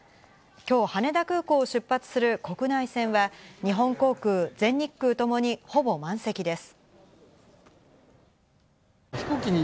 今日、羽田空港を出発する国内線は日本航空、全日空ともにほぼ満席です。